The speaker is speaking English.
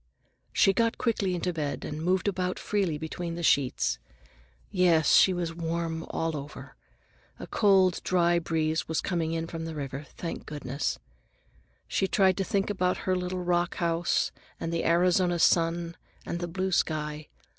She got quickly into bed and moved about freely between the sheets. Yes, she was warm all over. A cold, dry breeze was coming in from the river, thank goodness! She tried to think about her little rock house and the Arizona sun and the blue sky.